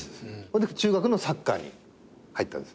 中学のサッカーに入ったんです。